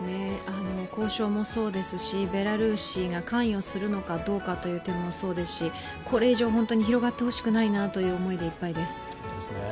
交渉もそうですしベラルーシが関与するのかどうかという点もそうですし、これ以上、広がってほしくないなという思いでいっぱいです。